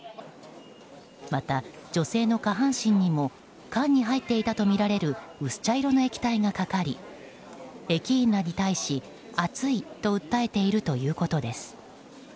また、女性の下半身にも缶に入っていたとみられる薄茶色の液体がかかり駅員らに対し熱いと訴えているということです。